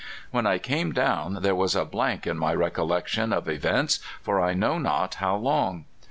When I came down there was a blank in my recollection of events for I know net how long.